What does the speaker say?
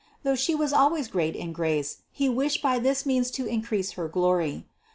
Though She was always great in grace, He wished by this means to increase her glory.